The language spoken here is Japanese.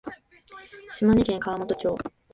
島根県川本町